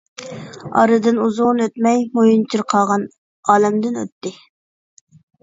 ئارىدىن ئۇزۇن ئۆتمەي مويۇنچۇر قاغان ئالەمدىن ئۆتتى.